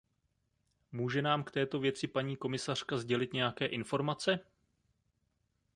Může nám k této věci paní komisařka sdělit nějaké informace?